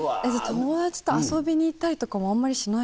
友達と遊びに行ったりとかもあんまりしないんですか？